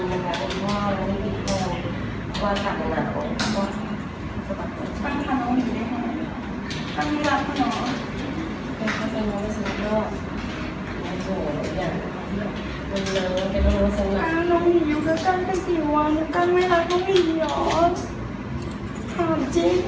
้าวน้องหนีอยู่กันกันกันอยู่ว่ะน้องการไม่รักน้องหนีหรอ